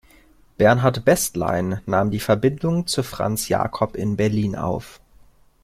Bernhard Bästlein nahm die Verbindung zu Franz Jacob in Berlin auf.